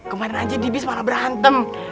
kemarin aja di bis malah berantem